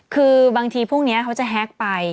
คือบางทีพวกนี้เขาจะแฮกไป